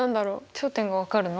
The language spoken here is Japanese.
頂点が分かるの？